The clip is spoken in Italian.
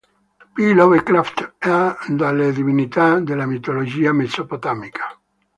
P. Lovecraft e dalle divinità delle mitologia mesopotamica.